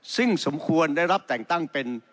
ซึ่งสมควรได้รับแต่งตั้งเป็น